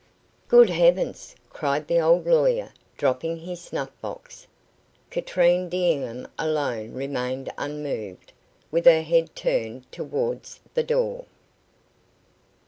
"Good Heavens!" cried the old lawyer, dropping his snuff box. Katrine D'Enghien alone remained unmoved, with her head turned towards the door.